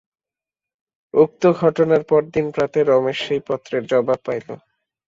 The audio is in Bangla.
উক্ত ঘটনার পরদিন প্রাতে রমেশ সেই পত্রের জবাব পাইল।